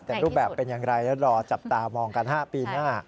แต่รูปแบบเป็นอย่างไรแล้วรอจับตามองกัน๕ปีหน้า